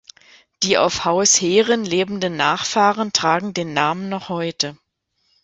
Die auf Haus Heeren lebenden Nachfahren tragen den Namen noch heute.